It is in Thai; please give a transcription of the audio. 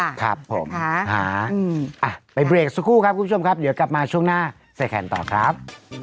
ครับผมอ่ะไปเบรกสักครู่ครับคุณผู้ชมครับเดี๋ยวกลับมาช่วงหน้าใส่แขนต่อครับ